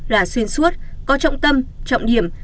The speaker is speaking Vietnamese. là xuyên suốt có trọng tâm trọng điểm